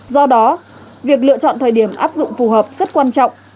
do đó việc lựa chọn thời điểm áp dụng phù hợp rất quan trọng